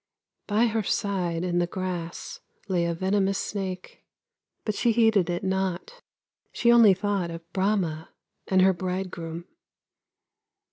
By her side in the grass lay a venomous snake, but she heeded it not; she only thought of Brahma, and her bride groom.